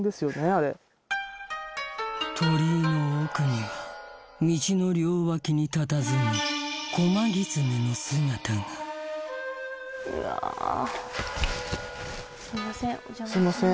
あれ鳥居の奥には道の両脇にたたずむの姿がうわすみません